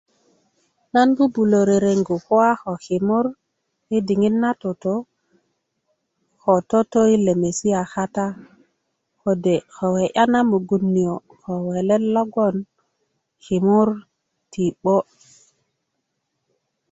nan bubulo rerengu kuwa ko kimur i diŋit na toto ko toto i lemesia kata kode ko we'ya na mugun niyo ko welet logon kimur ti 'bo